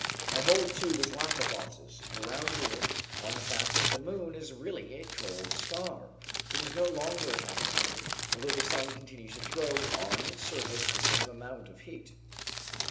I hold to this last hypothesis, grounding it on the fact that the moon is really a cold star, which is no longer habitable, although the sun continues to throw on its surface the same amount of heat.